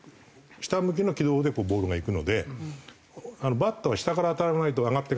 下向きの軌道でボールがいくのでバットが下から当たらないと上がっていかないんですよ。